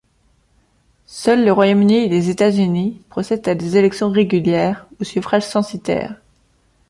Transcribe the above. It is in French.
Seuls le Royaume-Uni et les États-Unis procèdent à des élections régulières, au suffrage censitaire.